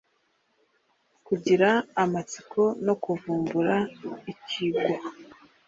kugira amatsiko no kuvumbura ikigwa